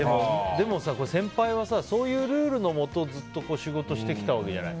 でもさ、先輩はさそういうルールのもとずっと仕事してきたわけじゃない。